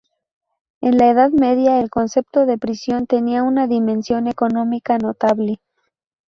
En la edad media, el concepto de prisión tenía una dimensión económica notable.